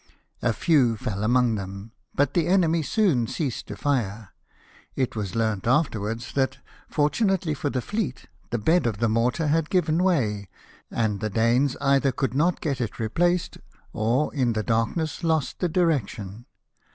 A few fell among them, but the enemy soon ceased to fire. It was learnt afterwards that, BATTLE OF COPENHAGEN. 227 • fortunately for tlie fleet, the bed of the mortar had given way ; and the Danes either could not get it replaced, or, in the darkness, lost the direction.